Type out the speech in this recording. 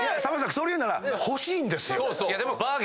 それ言うなら欲しいんですよ。